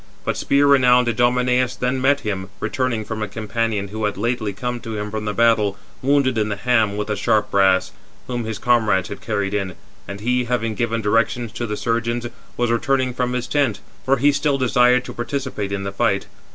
But spear renowned Idomeneus then met him, returning from a companion who had lately come to him from the battle, wounded in the ham with the sharp brass, whom his comrades had carried in, and he, having given directions to the surgeons, was returning from his tent; for he still desired to participate in the fight.